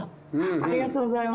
ありがとうございます。